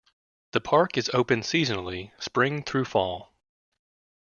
The park is open seasonally, spring through fall.